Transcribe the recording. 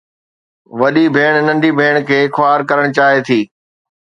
وڏي ڀيڻ ننڍي ڀيڻ کي خوار ڪرڻ چاهي ٿي.